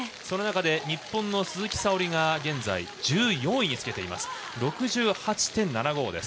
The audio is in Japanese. その中で日本の鈴木沙織が現在１４位につけています。